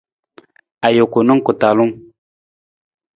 Ajuku na ku talung.